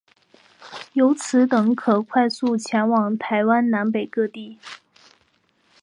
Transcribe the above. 由此等可快速前往台湾南北各地。